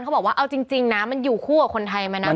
บอกว่าเอาจริงนะมันอยู่คู่กับคนไทยมานาน